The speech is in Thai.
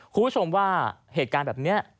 คุณผู้ชมว่าเหตุการณ์แบบนี้